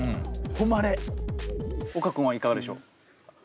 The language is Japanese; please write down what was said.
岡君はいかがでしょう？